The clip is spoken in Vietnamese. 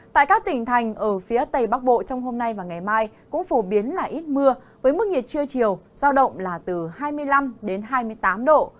tại các tỉnh thành ở phía tây bắc bộ trong hôm nay và ngày mai cũng phổ biến là ít mưa với mức nhiệt trưa chiều giao động là từ hai mươi năm đến hai mươi tám độ